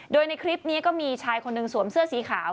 โดยในคลิปนี้ก็มีชายคนหนึ่งสวมเสื้อสีขาว